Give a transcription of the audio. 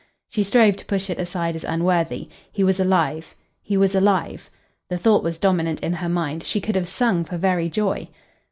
She strove to push it aside as unworthy. He was alive. He was alive. The thought was dominant in her mind. She could have sung for very joy.